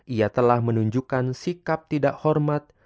ia telah menunjukkan sikap tidak hormat